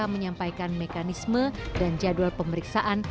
menyampaikan mekanisme dan jadwal pemeriksaan